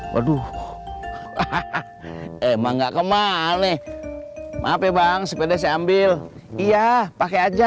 waduh hahaha emang nggak kemal nih maaf ya bang sepeda saya ambil iya pakai aja